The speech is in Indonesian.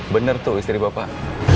bener tuh istri bapak